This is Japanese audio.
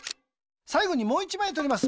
さいごにもう１まいとります。